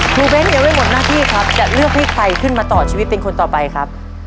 เว้นยังไม่หมดหน้าที่ครับจะเลือกให้ใครขึ้นมาต่อชีวิตเป็นคนต่อไปครับ